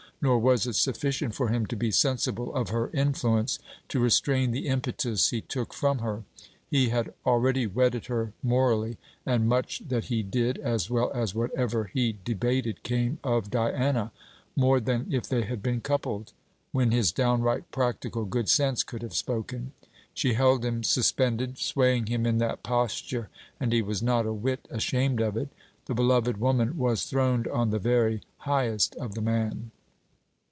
Nor was it sufficient for him to be sensible of her influence, to restrain the impetus he took from her. He had already wedded her morally, and much that he did, as well as whatever he debated, came of Diana; more than if they had been coupled, when his downright practical good sense could have spoken. She held him suspended, swaying him in that posture; and he was not a whit ashamed of it. The beloved woman was throned on the very highest of the man.